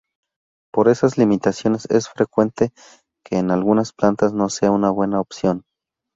Por estas limitantes es frecuente que en algunas plantas no sea una buena opción.